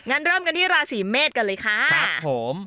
งั้นเริ่มกันที่ราศีเมษกันเลยค่ะครับผม